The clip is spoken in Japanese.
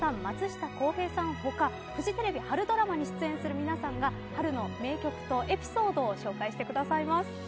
松下洸平さん他フジテレビ春ドラマに出演する皆さんが春の名曲とエピソードを紹介してくださいます。